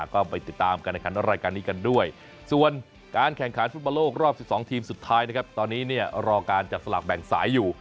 ก็ไปติดตามการแข่งขันรายการนี้กันด้วยส่วนการแข่งขันฟุตบอลโลกรอบ๑๒ทีมสุดท้ายนะครับตอนนี้เนี่ยรอการจับสลากแบ่งสายอยู่